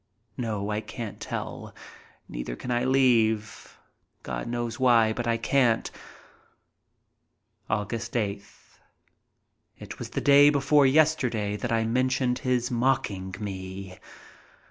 No, I can't tell. Neither can I leave. God knows why, but I can't. Aug. 8th. It was the day before yesterday that I mentioned his mocking me.